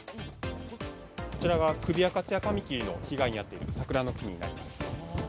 こちらがクビアカツヤカミキリの被害に遭っている桜の木になります。